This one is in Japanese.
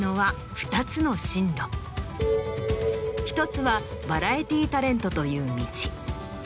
１つはバラエティータレントという道。